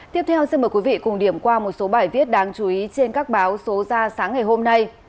tiếp theo xin mời quý vị cùng điểm qua một số bài viết đáng chú ý trên các báo số ra sáng ngày hôm nay